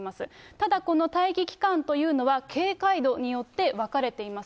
ただ、この待機期間というのは、警戒度によって分かれています。